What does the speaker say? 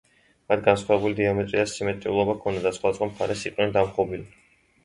მათ განსხვავებული დიამეტრი და სიმეტრიულობა ჰქონდათ და სხვადასხვა მხარეს იყვნენ დამხრობილნი.